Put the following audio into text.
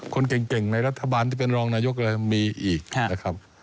คนเก่งในรัฐบาลที่เป็นรองนายกอะไรมีอีกนะครับ